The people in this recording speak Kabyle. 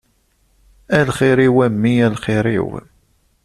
A lxir-iw, a mmi a lxir-iw.